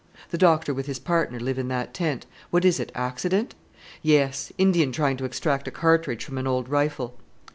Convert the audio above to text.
"The doctor with his partner live in that tent. What is it accident?" "Yes; Indian trying to extract a cartridge from an old rifle."